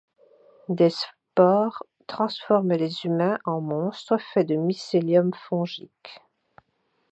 Des spores transforment les humains en monstres faits de mycélium fongique.